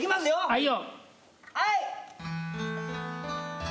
はい。